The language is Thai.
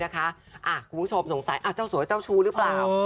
คุณผู้ชมสงสัยเจ้าสัวเจ้าชู้หรือเปล่า